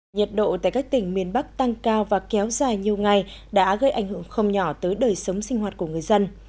nhiệt độ tại các tỉnh miền bắc tăng cao và kéo dài nhiều ngày đã gây ảnh hưởng không nhỏ tới đời sống sinh hoạt của người dân